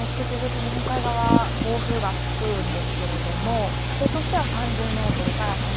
引き続き日本海側、暴風が吹くんですけれども風としては３０３５ｍ。